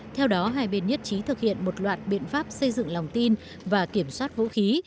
theo đó hai bên nhất trí thực hiện một loạt biện pháp xây dựng lòng tin và kiểm soát vũ khí